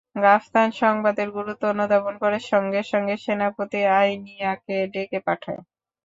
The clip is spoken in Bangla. গাতফান সংবাদের গুরুত্ব অনুধাবন করে সঙ্গে সঙ্গে সেনাপতি আইনিয়াকে ডেকে পাঠায়।